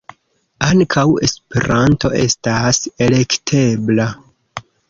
Ankaŭ Esperanto estas elektebla.